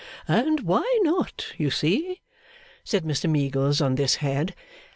'And why not, you see?' said Mr Meagles on this head.